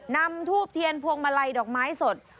นำทูบเทียนพวงมาลัยดอกไม้สด